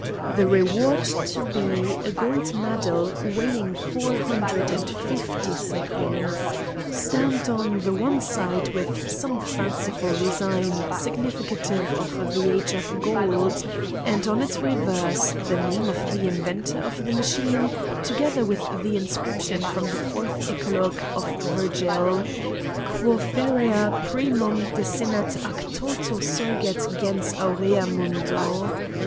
The reward to be a gold medal weighing four hundred and fifty sequins, stamped on the one side with some fanciful design significative of the age of gold, and on its reverse the name of the inventor of the machine, together with this inscription from the fourth eclogue of Virgil : "Quo ferrea primum desinet ac toto surget gens aurea mundo."